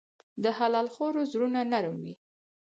د حلال خوړو زړونه نرموي.